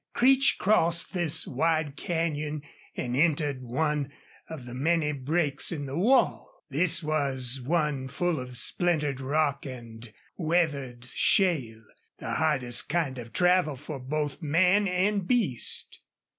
Creech crossed this wide canyon and entered one of the many breaks in the wall. This one was full of splintered rock and weathered shale the hardest kind of travel for both man and beast.